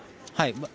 はい。